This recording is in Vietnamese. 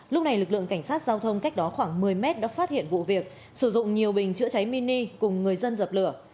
lúc này lực lượng cảnh sát giao thông cách đó khoảng một mươi mét đã phát hiện vụ việc sử dụng nhiều bình chữa cháy mini cùng người dân dập lửa